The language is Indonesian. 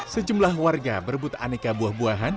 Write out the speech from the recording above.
sejumlah warga berebut aneka buah buahan